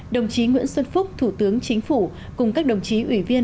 đồng chí nguyễn xuân phúc thủ tướng chính phủ cùng các đồng chí ủy viên